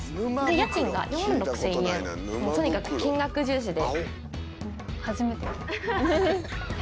家賃が４万６０００円とにかく金額重視で。